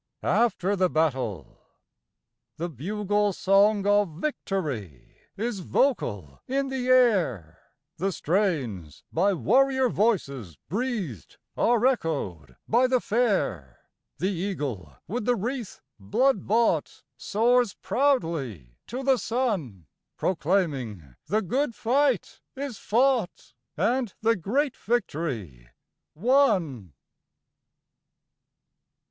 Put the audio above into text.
After the Battle The bugle song of victory Is vocal in the air! The strains, by warrior voices breathed, Are echoed by the fair! The eagle, with the wreath, blood bought, Soars proudly to the sun, Proclaiming the "good fight is fought, And the great victory won!"